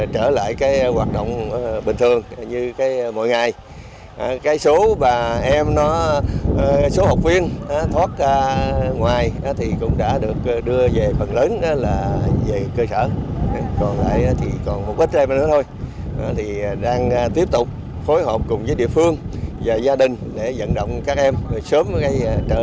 trở lại hoạt động bình thường như mỗi ngày